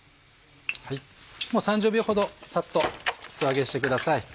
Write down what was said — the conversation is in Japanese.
もう３０秒ほどサッと素揚げしてください。